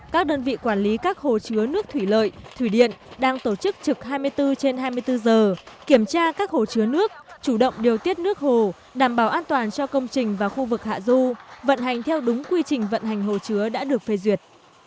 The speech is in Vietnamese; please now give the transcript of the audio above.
các đơn vị quản lý các hồ chứa nước thủy lợi thủy điện đang tổ chức trực hai mươi bốn trên hai mươi bốn giờ kiểm tra các hồ chứa nước chủ động điều tiết nước hồ đảm bảo an toàn cho công trình và khu vực hạ du vận hành theo đúng quy trình vận hành hồ chứa đã được phê duyệt